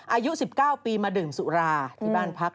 อายุ๑๙ปีมาดื่มสุราที่บ้านพัก